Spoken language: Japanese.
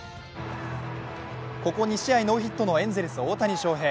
ここ２試合ノーヒットのエンゼルス・大谷翔平。